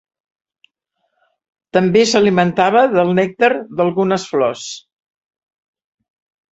També s'alimentava del nèctar d'algunes flors.